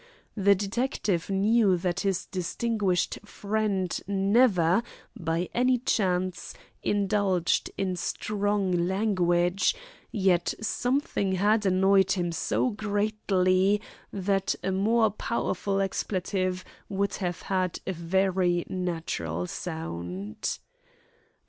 The detective knew that his distinguished friend never, by any chance, indulged in strong language, yet something had annoyed him so greatly that a more powerful expletive would have had a very natural sound.